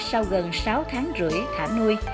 sau gần sáu tháng rưỡi thả nuôi